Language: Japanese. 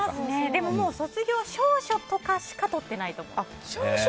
でも卒業証書とかしかとってないと思います。